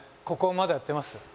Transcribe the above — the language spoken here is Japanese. ここまだやってます？